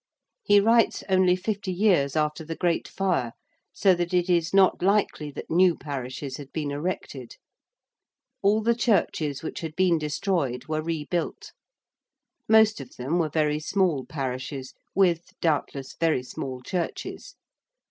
He writes only fifty years after the Great Fire, so that it is not likely that new parishes had been erected. All the churches which had been destroyed were rebuilt. Most of them were very small parishes, with, doubtless, very small churches.